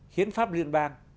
hiến pháp liên bang